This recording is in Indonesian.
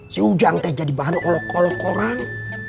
si ujang teh jadi bahan olok olok orang